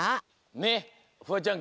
ねっフワちゃん